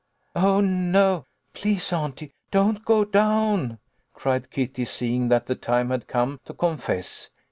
"Oh, no, please, auntie, don't go down," cried Kitty, seeing that the time had come to confess.